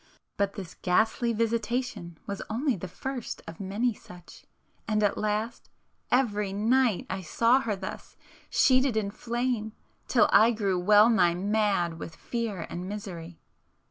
But this ghastly visitation was only the first of many such,—and at last, every night I saw her thus, sheeted in flame, till I grew well nigh mad with fear and misery.